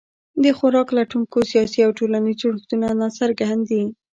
د خوراک لټونکو سیاسي او ټولنیز جوړښتونه ناڅرګند دي.